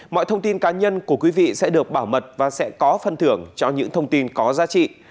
mọi thông tin cá nhân của quý vị sẽ được bảo mật và sẽ có phân thưởng cho những thông tin có giá trị